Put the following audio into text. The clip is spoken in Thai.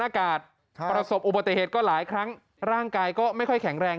อากาศประสบอุบัติเหตุก็หลายครั้งร่างกายก็ไม่ค่อยแข็งแรง